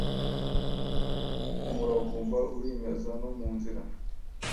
Umuravumba urimeza no munzira